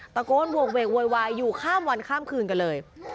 ตะโกนโหกเวกโวยวายอยู่ข้ามวันข้ามคืนกันเลย